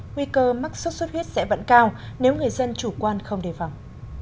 nguy cơ mắc sốt xuất huyết sẽ vẫn cao nếu người dân chủ quan không đề phòng